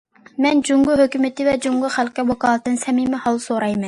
مەن جۇڭگو ھۆكۈمىتى ۋە جۇڭگو خەلقىگە ۋاكالىتەن سەمىمىي ھال سورايمەن.